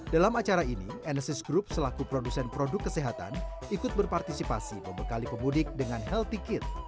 dalam acara ini nsis group selaku produsen produk kesehatan ikut berpartisipasi membekali pemudik dengan healthy kit